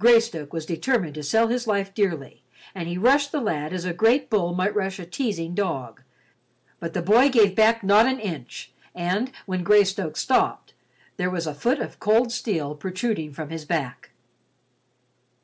Greystoke was determined to sell his life dearly, and he rushed the lad as a great bull might rush a teasing dog, but the boy gave back not an inch and, when Greystoke stopped, there was a foot of cold steel protruding from his back.